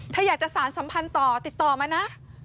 ถ้าอยากจะสารสัมพันธ์ต่อติดต่อมานะ